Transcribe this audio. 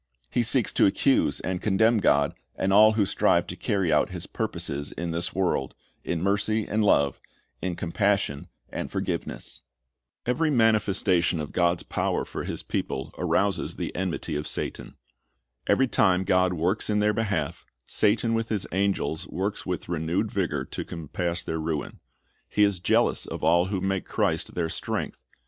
He seeks to accuse and condemn God, and all who strive to carry out His purposes in this world, in mercy and love, in compassion and forgiveness. P'very manifestation of God's power for His people arouses the enmity of Satan. Every time God works in their behalf, Satan with his angels works with renewed vigor to compass their ruin. He is jealous of all who make Christ their strength.